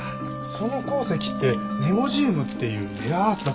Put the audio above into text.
その鉱石ってネゴジウムっていうレアアースだそうですよ。